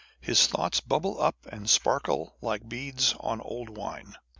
His thoughts bubble up and sparkle like beads on old wine.